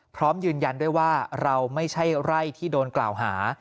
พร้อมยืนยันด้วยว่าเราไม่ใช่ไร่ที่โดนกล่าวหา